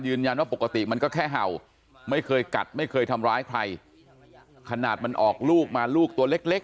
ว่าปกติมันก็แค่เห่าไม่เคยกัดไม่เคยทำร้ายใครขนาดมันออกลูกมาลูกตัวเล็กเล็ก